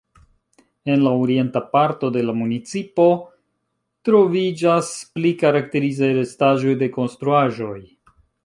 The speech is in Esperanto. En la orienta parto de la municipo troviĝas pli karakterizaj restaĵoj de konstruaĵoj.